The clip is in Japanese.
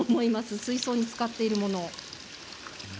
水槽に使っているもの。